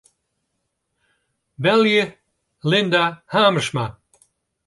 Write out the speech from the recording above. Belje Linda Hamersma.